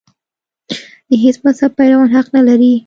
د هېڅ مذهب پیروان حق نه لري.